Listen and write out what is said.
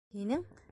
Һинең...